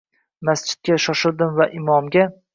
Masjidga shoshildim va imomga